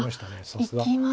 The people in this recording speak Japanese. さすが。